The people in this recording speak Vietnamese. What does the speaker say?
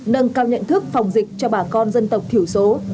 nâng cao nhận thức phòng dịch cho bà con dân tộc thiểu số